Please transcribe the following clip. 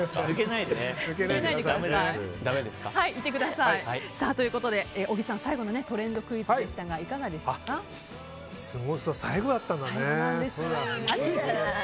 いてください。ということで小木さん最後のトレンドクイズでしたが最後だったんだね。